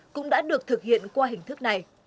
cũng đã được thực hiện qua hình thức này